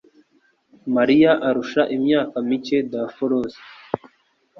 Mariya arusha imyaka mike daforoza.